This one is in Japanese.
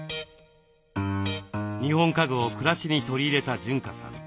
日本家具を暮らしに取り入れた潤香さん。